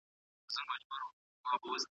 پوه انسان کرکه نه خپروي